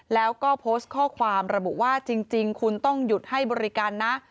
แล้วก็โพสต์ข้อความระบุว่าจริงคุณต้องหยุดให้บริการนะ